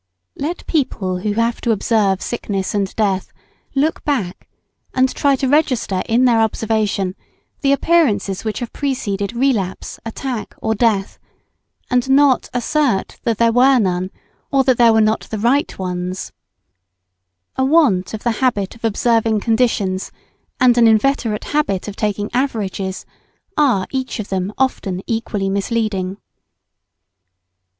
Let people who have to observe sickness and death look back and try to register in their observation the appearances which have preceded relapse, attack, or death, and not assert that there were none, or that there were not the right ones. [Sidenote: Observation of general conditions.] A want of the habit of observing conditions and an inveterate habit of taking averages are each of them often equally misleading.